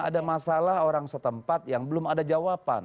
ada masalah orang setempat yang belum ada jawaban